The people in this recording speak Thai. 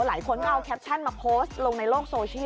หลายคนก็เอาแคปชั่นมาโพสต์ลงในโลกโซเชียล